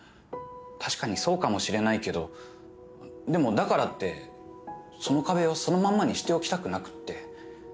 確かにそうかもしれないけどでもだからってその壁をそのままにしておきたくなくって。